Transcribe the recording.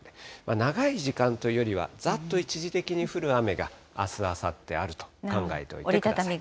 長い時間というよりは、ざっと一時的に降る雨が、あす、あさってあると考えておいてください。